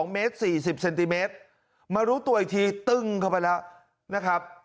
๒เมตร๔๐เซนติเมตรมารู้ตัวอีกทีตึ้งเข้าไปแล้วนะครับ